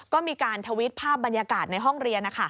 ก็มีการทวิตภาพบรรยากาศในห้องเรียน